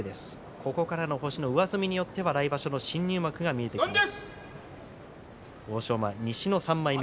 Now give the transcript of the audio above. ここからの星の上積みによっては来場所の新入幕も見えてきます。